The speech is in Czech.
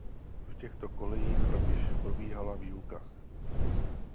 V těchto kolejích rovněž probíhala výuka.